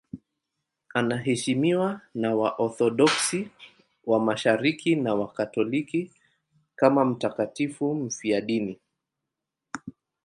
Anaheshimiwa na Waorthodoksi wa Mashariki na Wakatoliki kama mtakatifu mfiadini.